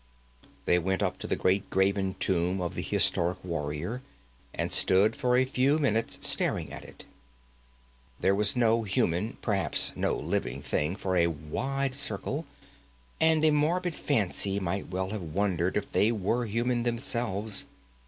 They went up to the great graven tomb of the historic warrior, and stood for a few minutes staring at it. There was no human, perhaps no living, thing for a wide circle; and a morbid fancy might well have wondered if they were human themselves.